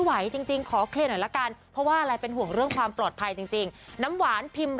ไหวจริงของเหลือแล้วกันเพราะว่าอะไรเป็นห่วงเรื่องความปลอดภัยจริงน้ำหวาน